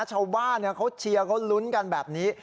ชาวบ้านเขาเชียร์เขาลุ้นกันแบบนี้